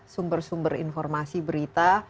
sumber sumber informasi berita